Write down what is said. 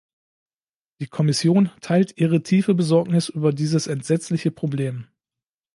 Die Kommission teilt Ihre tiefe Besorgnis über dieses entsetzliche Problem.